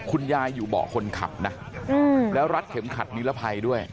คุณยายอยู่เบาะคนขับนะแล้วรัดเข็มขัดนิรภัยด้วย